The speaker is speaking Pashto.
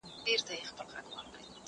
زه اوږده وخت مېوې وچوم وم